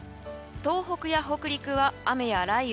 東北や北陸は雨や雷雨。